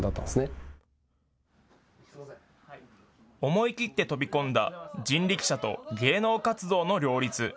思い切って飛び込んだ人力車と芸能活動の両立。